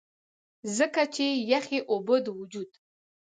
ځکه چې يخې اوبۀ د وجود